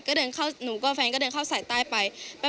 ก็เดินเข้าหนูก็แฟนก็เดินเข้าสายใต้ไป